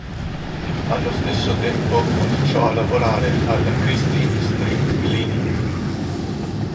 Allo stesso tempo cominciò a lavorare alla Christine Street Clinic.